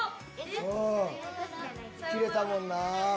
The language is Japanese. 切れたもんなぁ。